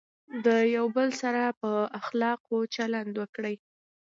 د یو بل سره په اخلاقو چلند وکړئ.